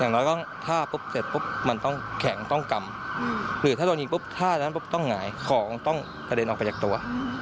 น้อยก็ท่าปุ๊บเสร็จปุ๊บมันต้องแข็งต้องกำหรือถ้าโดนยิงปุ๊บท่านั้นปุ๊บต้องหงายของต้องกระเด็นออกไปจากตัว